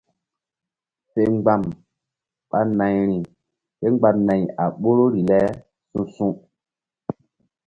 Fe mgba̧m ɓa nayri kémgba nay a ɓoruri le su̧su̧.